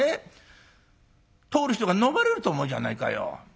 通る人がのまれると思うじゃないかよ。